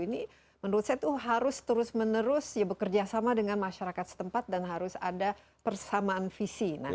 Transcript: ini menurut saya itu harus terus menerus bekerja sama dengan masyarakat setempat dan harus ada persamaan visi